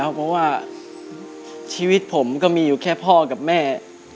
เพราะว่าชีวิตผมก็มีอยู่แค่พ่อกับแม่